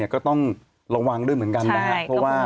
ก็ต้องระวังด้วยเหมือนกันนะครับ